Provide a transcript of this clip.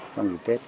sau ngày tết